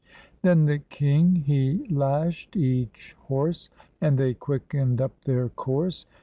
Then the king he lashed each horse, And they quickened up their course.